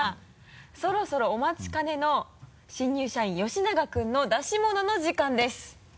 そろそろお待ちかねの新入社員吉永君の出し物の時間です。